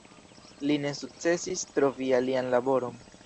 Li ne sukcesis trovi alian laboron.